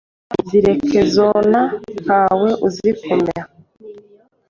zireke kona nta we uzikoma